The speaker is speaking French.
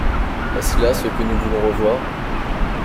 Est-ce là ce que nous voulons revoir?